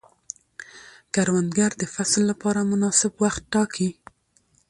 کروندګر د فصل لپاره مناسب وخت ټاکي